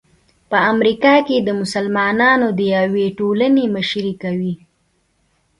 په امریکا کې د مسلمانانو د یوې ټولنې مشري کوي.